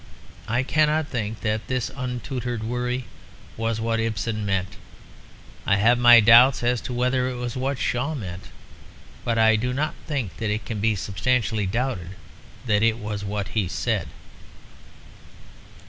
I cannot think that this untutored worry was what Ibsen meant; I have my doubts as to whether it was what Shaw meant; but I do not think that it can be substantially doubted that it was what he said.